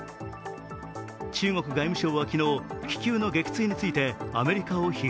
中国外務省は昨日、気球の撃墜についてアメリカを批判。